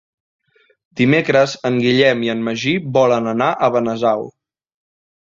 Dimecres en Guillem i en Magí volen anar a Benasau.